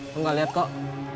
kamu gak liat kok